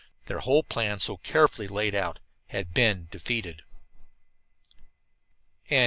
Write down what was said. Their whole plan, so carefully carried out, had been defeated!